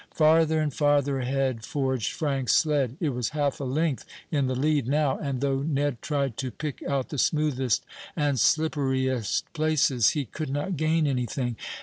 Farther and farther ahead forged Frank's sled. It was half a length in the lead now, and though Ned tried to pick out the smoothest and slipperiest places, he could not gain anything.